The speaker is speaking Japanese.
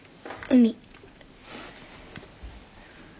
海。